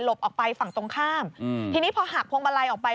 ออกไปฝั่งตรงข้ามอืมทีนี้พอหักพวงมาลัยออกไป